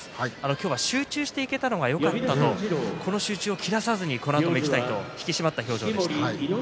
今日は集中していけたらよかったこの集中を切らさずにこのあともいきたいと引き締まった表情でした。